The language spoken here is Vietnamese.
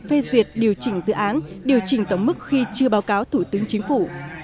phê duyệt điều chỉnh dự án điều chỉnh tổng mức khi chưa báo cáo thủ tướng chính phủ